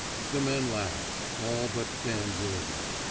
The men laughed — all but Dan Jor dan."